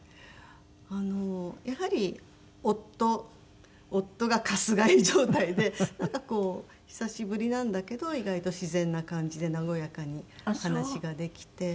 あのやはり夫夫がかすがい状態でなんかこう久しぶりなんだけど意外と自然な感じで和やかに話ができて。